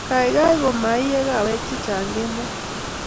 keikei ko ma iee kawek che chang kemoi